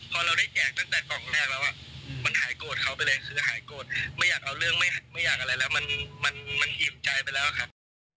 พอเราได้แจกตั้งแต่กล่องแรกแล้วมันหายโกรธเขาไปเลยคือหายโกรธไม่อยากเอาเรื่องไม่อยากอะไรแล้วมันอิ่มใจไปแล้วครับ